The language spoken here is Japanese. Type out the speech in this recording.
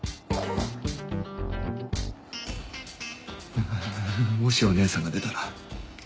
あぁもしお姉さんが出たら。